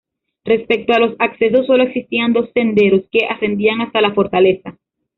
Respecto a los accesos, sólo existían dos senderos que ascendían hasta la fortaleza.